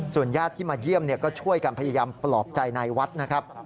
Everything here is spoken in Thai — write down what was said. ญาติที่มาเยี่ยมก็ช่วยกันพยายามปลอบใจนายวัดนะครับ